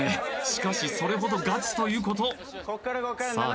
しかしそれほどガチということさあ